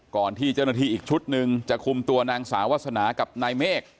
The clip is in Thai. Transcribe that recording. ก่อนที่เจ้าหน้าที่อีกชุดหนึ่งจะคุมตัวนางสาววาสนากับนายเมฆ